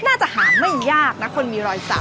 น่าจะหาไม่ยากนะคนมีรอยสัก